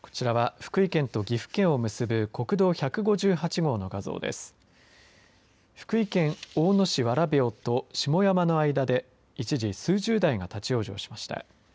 福井県大野市蕨生と下山の間で一時、数十台が立往生しました。